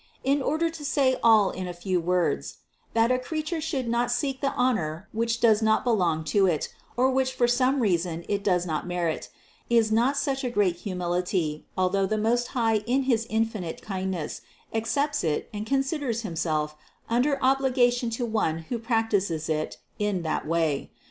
In order to say all in a few words: that a creature should not seek the honor which does not belong to it or which for some reason it does not merit, is not such a great humility, although the Most High in his in finite kindness accepts it and considers Himself under obligation to one who practices it in that way.